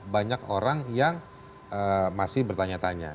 banyak orang yang masih bertanya tanya